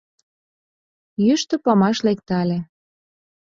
Йӱштӧ памаш лектале.